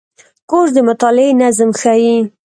کورس د مطالعې نظم ښيي.